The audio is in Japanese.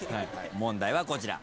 問題はこちら。